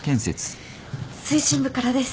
推進部からです。